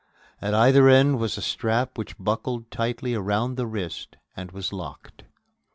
At either end was a strap which buckled tightly around the wrist and was locked.